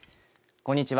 こんにちは。